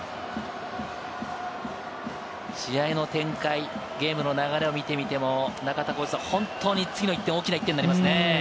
試合の展開、ゲームの流れを見てみても、本当に次の１点が大きな１点になりますね。